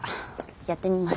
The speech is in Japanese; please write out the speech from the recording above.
やってみます。